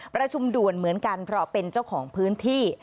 ประชุมด่วนเหมือนกันเพราะเป็นเจ้าของพื้นที่